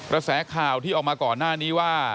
กระแสข่าวที่ออกมาก่อนหน้านี้ว่า